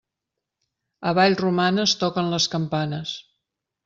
A Vallromanes, toquen les campanes.